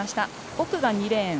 奥が２レーン。